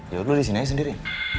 jauh dulu di sini aja sendiri